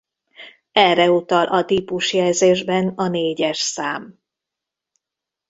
Erre utal a típusjelzésben a négyes szám.